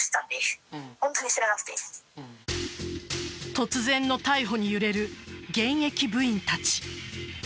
突然の逮捕に揺れる現役部員たち。